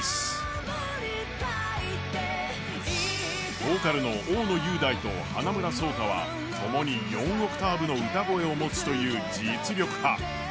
ボーカルの大野雄大と花村想太はともに４オクターブの歌声を持つという実力派。